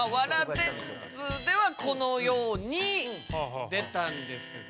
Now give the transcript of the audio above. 電図ではこのように出たんですが。